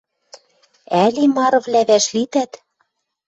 Ӓли марывлӓ вӓшлитӓт